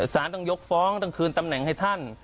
สารต้องยกฟ้องต้องคืนตำแหน่งให้ท่าน